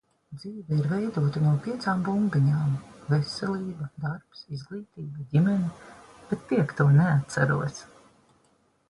Dzīve ir veidota no piecām bumbiņām - veselība, darbs, izglītība, ģimene, bet piekto neatceros.